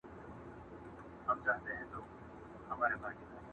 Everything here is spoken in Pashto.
هره ورځ به يې و غلا ته هڅولم؛